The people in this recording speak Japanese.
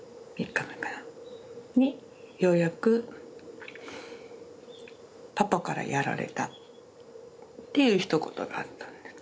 ３日目かなにようやく「パパからやられた」っていうひと言があったんです。